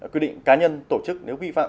quy định cá nhân tổ chức nếu vi phạm